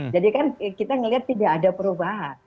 jadi kan kita melihat tidak ada perubahan